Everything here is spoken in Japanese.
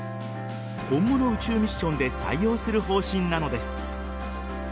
今後の宇宙ミッションで採用する方針なのです。